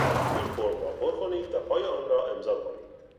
این فرم را پر کنید و پای آن را امضا کنید.